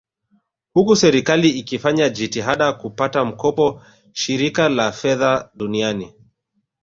Huku serikali ikifanya jitihada kupata mkopo Shirika la Fedha Duniani